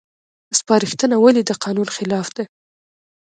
سپارښتنه ولې د قانون خلاف ده؟